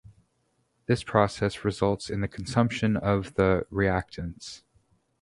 This process results in the consumption of the reactants.